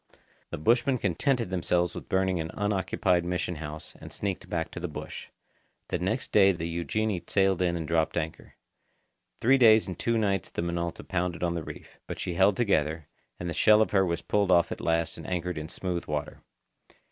The bushmen contented themselves with burning an unoccupied mission house, and sneaked back to the bush. The next day the Eugenie sailed in and dropped anchor. Three days and two nights the Minota pounded on the reef; but she held together, and the shell of her was pulled off at last and anchored in smooth water.